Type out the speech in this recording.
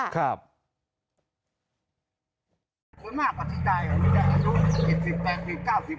คนมากอธิจัยอายุ๗๐๘๐๙๐นี่